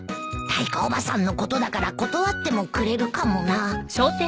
タイコおばさんのことだから断ってもくれるかもな